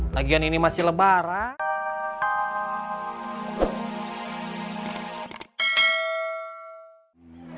lagian ini masih lebaran